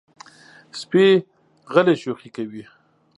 سپي غلی شوخي کوي.